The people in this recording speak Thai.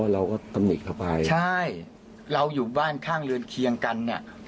เราก็ตำหนิเข้าไปใช่เราอยู่บ้านข้างเรือนเคียงกันเนี่ย